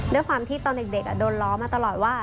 ด้วยความที่ตอนเด็กโดนล้อมาตลอดว่า